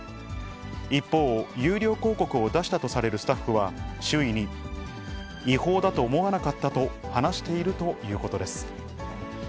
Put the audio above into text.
一方、有料広告を出したとされるスタッフは、周囲に、違法だと思わなかったと話しているということです。